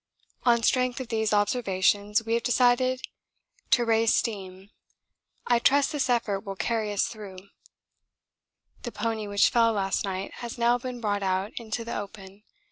On strength of these observations we have decided to raise steam. I trust this effort will carry us through. The pony which fell last night has now been brought out into the open.